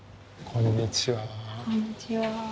こんにちは。